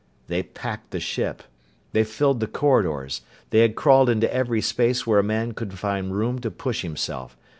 They packed the ship. They filled the corridors. They had crawled into every space where a man could find room to push himself.